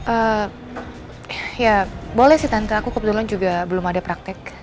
eh ya boleh sih tante aku kebetulan juga belum ada praktek